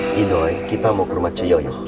gidoy kita mau ke rumah cei yoyo